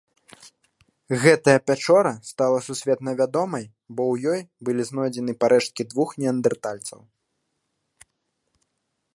Гэтая пячора стала сусветна вядомай, бо ў ёй былі знойдзены парэшткі двух неандэртальцаў.